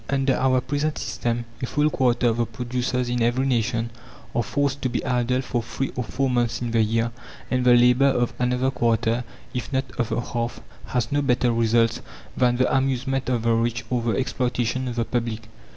Under our present system a full quarter of the producers in every nation are forced to be idle for three or four months in the year, and the labour of another quarter, if not of the half, has no better results than the amusement of the rich or the exploitation of the public.